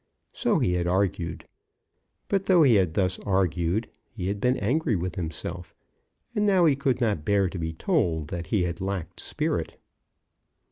So he had argued. But, though he had thus argued, he had been angry with himself, and now he could not bear to be told that he had lacked spirit.